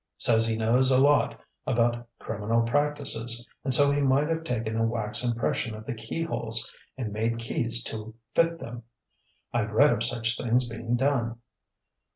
Says he knows a lot about criminal practices and so he might have taken a wax impression of the keyholes and made keys to fit them. I've read of such things being done.